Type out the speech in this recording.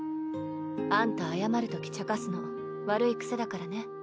あんた謝るときちゃかすの悪い癖だからね。